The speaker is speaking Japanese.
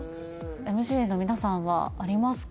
ＭＣの皆さんはありますか？